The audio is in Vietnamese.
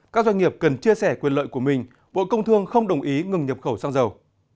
các doanh nghiệp cần chia sẻ quyền lợi của mình bộ công thương không đồng ý ngừng nhập khẩu xăng dầu